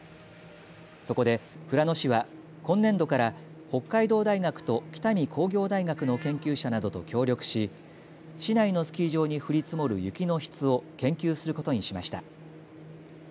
そこで富良野市は今年度から北海道大学と北見工業大学の研究者などと協力し市内のスキー場に降り積もる雪の質を研究することにしました。